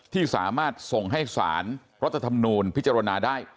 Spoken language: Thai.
ที่สามารถส่งให้สารรัฐธรรมนูลพิจารณาได้